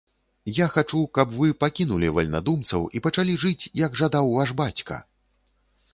Я хачу, каб вы пакінулі вальнадумцаў і пачалі жыць, як жадаў ваш бацька!